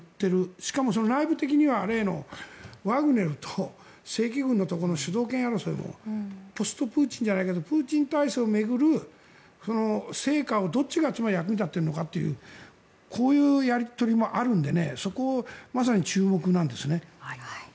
しかも内部的には例のワグネルと正規軍のところの主導権争いもポストプーチンじゃないけどプーチン体制を巡る成果をどっちが役に立っているのかというこういうやり取りもあるのでそこがまさに注目なんです。